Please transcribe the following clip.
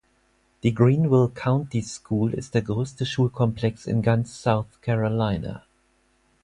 Die "Greenville County School" ist der größte Schulkomplex in ganz South Carolina.